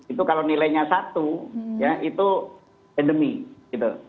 itu kalau nilainya satu ya itu endemi gitu